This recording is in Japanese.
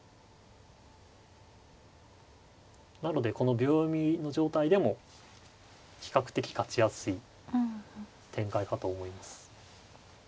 なのでこの秒読みの状態でも比較的勝ちやすい展開かと思います。